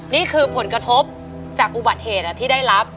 นี่คือผลกระทบจากอุบัติเหตุที่ได้รับ